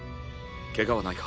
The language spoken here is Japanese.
ケガはないか？